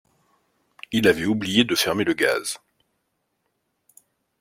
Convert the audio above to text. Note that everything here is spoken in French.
Il avait oublié de fermer le gaz.